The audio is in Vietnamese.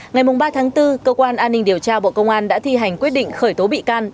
ngày ba tháng bốn cơ quan an ninh điều tra bộ công an đã thi hành quyết định khởi tố bị can